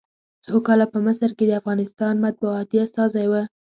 څو کاله په مصر کې د افغانستان مطبوعاتي استازی و.